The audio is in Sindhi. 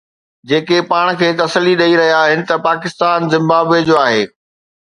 جيڪي پاڻ کي تسلي ڏئي رهيا آهن ته پاڪستان زمبابوي جو آهي